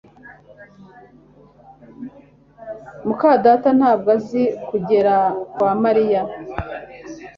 muka data ntabwo azi kugera kwa Mariya